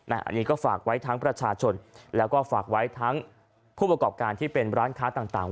อันนี้ก็ฝากไว้ทั้งประชาชนแล้วก็ฝากไว้ทั้งผู้ประกอบการที่เป็นร้านค้าต่าง